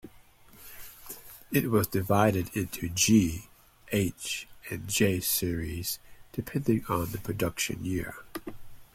It was divided into G-, H-, and J-series depending on the production year.